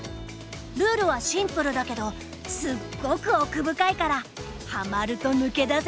ルールはシンプルだけどすっごく奥深いからハマると抜け出せなくなるよ。